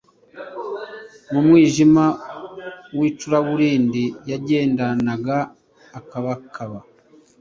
Mu mwijima w’icuraburindi yagendanaga akabakaba